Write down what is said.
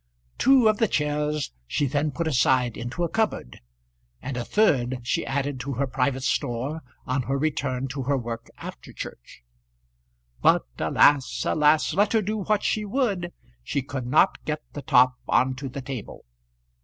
Two of the chairs she then put aside into a cupboard, and a third she added to her private store on her return to her work after church. But, alas, alas! let her do what she would, she could not get the top on to the table.